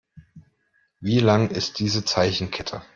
Wie lang ist diese Zeichenkette?